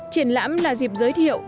triển lãm là dịp giới thiệu